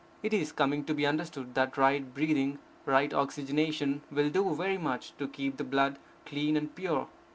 It is coming to be understood that right breathing, right oxygenation, will do very much to keep the blood clean and pure.